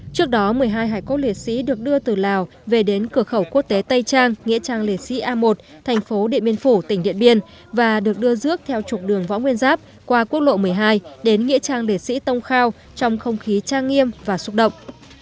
trước đó một mươi hai hải cốt liệt sĩ được đưa từ lào về đến cửa khẩu quốc tế tây trang nghĩa trang liệt sĩ a một thành phố điện biên phủ tỉnh điện biên và được đưa dước theo trục đường võ nguyên giáp qua quốc lộ một mươi hai đến nghĩa trang liệt sĩ tông khao trong không khí trang nghiêm và xúc động